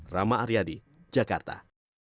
rama aryadi jakarta